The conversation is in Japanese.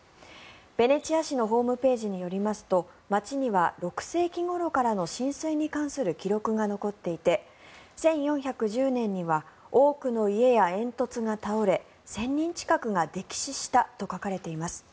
ベネチア市のホームページによりますと街には６世紀ごろからの浸水に関する記録が残っていて１４１０年には多くの家や煙突が倒れ１０００人近くが溺死したと書かれています。